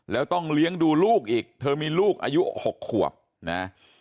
แล้วต้องเลี้ยงดูลูกอีกเธอมีลูกอายุ๖ขวบนะ